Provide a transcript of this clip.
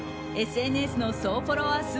ＳＮＳの総フォロワー数